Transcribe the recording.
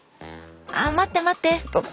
あ待って待って！